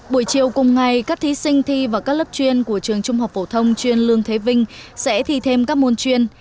buổi chiều cùng ngày các thí sinh thi vào các lớp chuyên của trường trung học phổ thông chuyên lương thế vinh sẽ thi thêm các môn chuyên